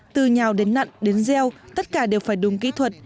từ nhào đến nặn đến gieo tất cả đều phải đúng kỹ thuật